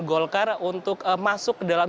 golkar untuk masuk ke dalam